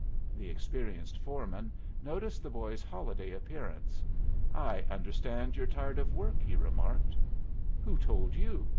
The experienced foreman noticed the boy's holiday appearance. "I understand you're tired of work," he remarked. "Who told you?"